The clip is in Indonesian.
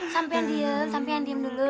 sampian diem sampian diem dulu